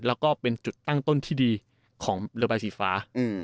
แล้วก็เป็นจุดตั้งต้นที่ดีของเรือใบสีฟ้า